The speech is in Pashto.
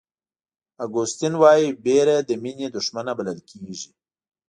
اګوستین وایي وېره د مینې دښمنه بلل کېږي.